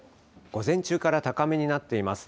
午前中から高めになっています。